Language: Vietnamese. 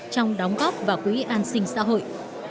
trong đóng góp và quý an sinh xã hội